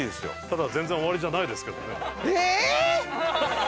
ただ全然終わりじゃないですけどね。